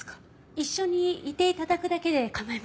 一緒にいて頂くだけで構いませんので。